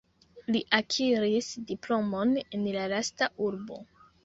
Li akiris diplomon en la lasta urbo.